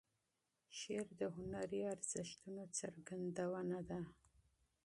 شعر د هنري ارزښتونو څرګندونه ده.